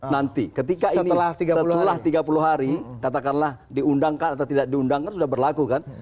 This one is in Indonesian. nanti ketika ini setelah tiga puluh hari katakanlah diundangkan atau tidak diundangkan sudah berlaku kan